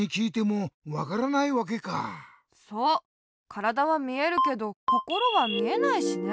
からだはみえるけどこころはみえないしね。